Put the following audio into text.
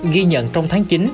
ghi nhận trong tháng chín